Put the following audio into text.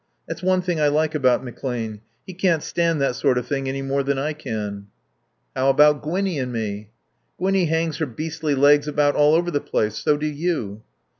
That's one thing I like about McClane. He can't stand that sort of thing any more than I can." "How about Gwinnie and me?" "Gwinnie hangs her beastly legs about all over the place. So do you."